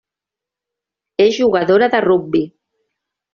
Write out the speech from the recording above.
És jugadora de rugbi.